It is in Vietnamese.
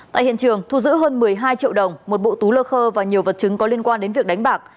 tại hiện trường thu giữ hơn một mươi hai triệu đồng một bộ túi lơ khơ và nhiều vật chứng có liên quan đến việc đánh bạc